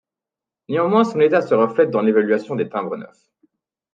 Néanmoins, son état se reflète dans l'évaluation des timbres neufs.